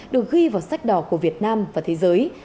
được ghi vào sách đỏ của việt nam và thế giới